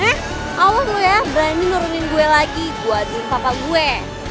eh awas lu ya berani nurunin gue lagi buat bapak gue